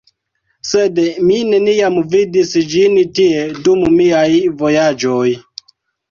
Sed mi neniam vidis ĝin tie dum miaj vojaĝoj.